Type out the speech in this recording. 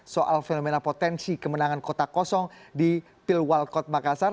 soal fenomena potensi kemenangan kota kosong di pilwal kot makassar